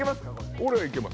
俺はいけます。